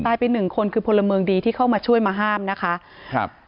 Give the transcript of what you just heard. ไปหนึ่งคนคือพลเมืองดีที่เข้ามาช่วยมาห้ามนะคะครับ